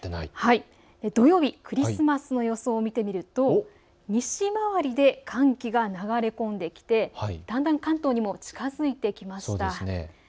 土曜日、クリスマスの予想を見てみると西回りで寒気が流れ込んできてだんだん関東にも近づいてきました。